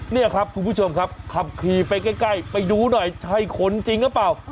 นี่ครับคุณผู้ชมครับขับขี่ไปใกล้ไปดูหน่อยใช่คนจริงหรือเปล่า